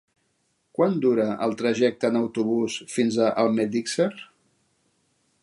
Quant dura el trajecte en autobús fins a Almedíxer?